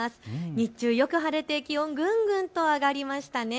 日中よく晴れて気温ぐんぐんと上がりましたね。